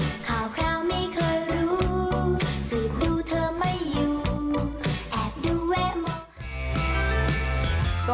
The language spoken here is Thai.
สบายดีหรือเปล่าข่าวไม่เคยรู้สูตรดูเธอไม่อยู่แอบดูแวะมอบ